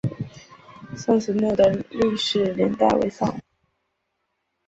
宋慈墓的历史年代为宋。